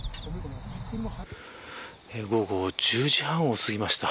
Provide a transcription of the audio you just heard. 午後１０時半を過ぎました。